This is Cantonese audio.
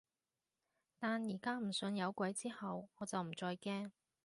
但而家唔信有鬼之後，我就唔再驚